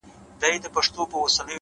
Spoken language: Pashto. د عمل نشتون فرصتونه له منځه وړي؛